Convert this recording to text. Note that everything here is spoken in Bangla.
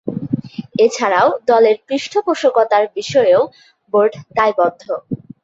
এছাড়াও, দলের পৃষ্ঠপোষকতার বিষয়েও বোর্ড দায়বদ্ধ।